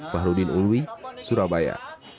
pak rudin uluwi surabaya